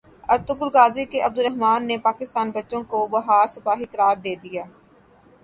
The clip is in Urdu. ارطغرل غازی کے عبدالرحمن نے پاکستانی بچوں کو بہادر سپاہی قرار دے دیا